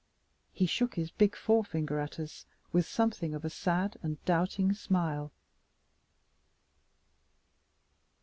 He shook his big forefinger at us, with something of a sad and doubting smile.